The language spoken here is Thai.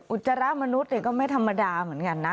จจาระมนุษย์ก็ไม่ธรรมดาเหมือนกันนะ